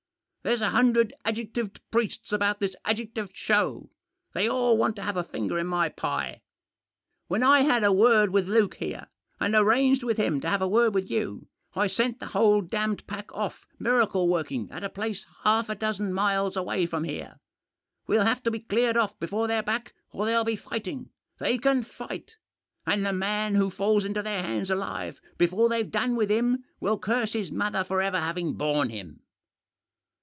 There's a hundred adjec tived priests about this adjectived show. They all want to have a finger in my pie. When I had a word with Luke here, and arranged with him to have a word with you, I sent the whole damned pack off miracle working at a place half a dozen miles away from here. We'll have to be cleared off before they're back or there'll be fighting; they can fight! And the man who falls into their hands alive before they've done with him will curse his mother for ever having borne him."